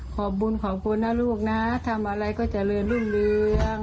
ขอบคุณขอบคุณนะลูกนะทำอะไรก็เจริญรุ่งเรือง